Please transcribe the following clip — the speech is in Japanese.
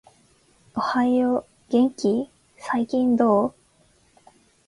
おはよう、元気ー？、最近どう？？